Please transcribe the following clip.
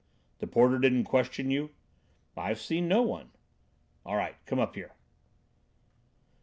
"The porter didn't question you?" "I've seen no one." "All right, come up here."